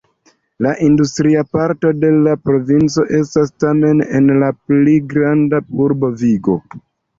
La industria parto de la provinco estas tamen en la pli granda urbo Vigo.